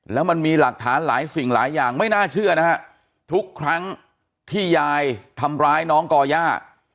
แล้วมันมีหลักฐานหลายสิ่งหลายอย่างไม่น่าเชื่อนะฮะทุกครั้งที่ยายทำร้ายน้องก่อย่า